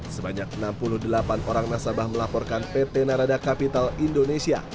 sebanyak enam puluh delapan orang nasabah melaporkan pt narada kapital indonesia